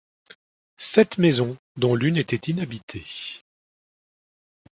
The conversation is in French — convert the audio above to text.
Sept maisons, dont l'une était inhabitée.